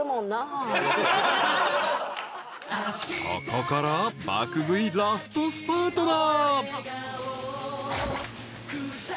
［ここから爆食いラストスパートだ］